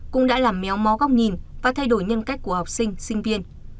cũng đã làm méo mó góc nhìn và thay đổi nhân cách của học sinh sinh viên